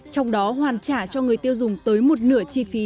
trong đó hoàn trả cho người tiêu dùng tới một nửa chi phí